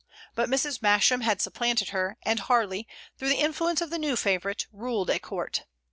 But Mrs. Masham had supplanted her; and Harley, through the influence of the new favorite, ruled at court.